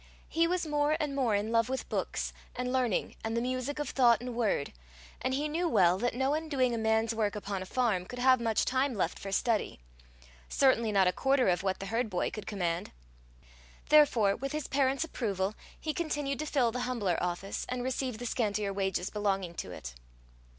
He was more and more in love with books, and learning and the music of thought and word; and he knew well that no one doing a man's work upon a farm could have much time left for study certainly not a quarter of what the herd boy could command. Therefore, with his parents' approval, he continued to fill the humbler office, and receive the scantier wages belonging to it.